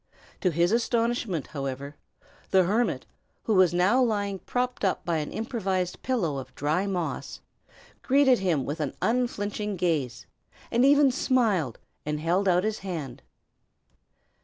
To his astonishment, however, the hermit, who was now lying propped up by an improvised pillow of dry moss, greeted him with an unflinching gaze, and even smiled and held out his hand.